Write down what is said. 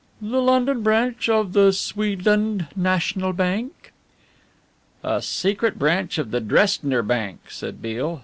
"The London branch of the Swedland National Bank." "A secret branch of the Dresdner Bank," said Beale.